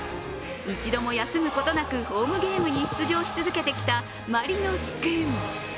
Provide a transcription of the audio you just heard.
一度も休むことなくホームゲームに出場し続けてきたマリノス君。